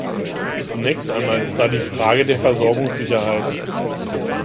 Zunächst einmal ist da die Frage der Versorgungssicherheit.